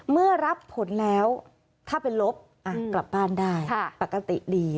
เมื่อรับผลแล้วถ้าเป็นลบกลับบ้านได้ปกติดี